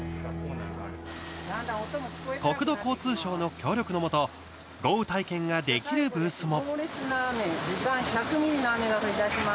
国土交通省の協力のもと豪雨体験ができるブースも。